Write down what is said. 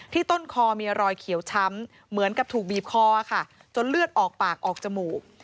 ต้นคอมีรอยเขียวช้ำเหมือนกับถูกบีบคอค่ะจนเลือดออกปากออกจมูก